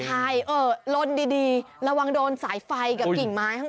ใช่เออลนดีระวังโดนสายไฟกับกิ่งไม้ข้าง